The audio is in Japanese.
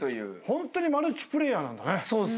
ホントにマルチプレーヤーなんだね。